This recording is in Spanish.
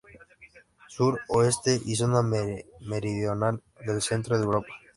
Sur, oeste y zona meridional del centro de Europa.